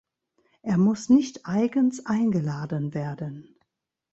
Er muss nicht eigens eingeladen werden.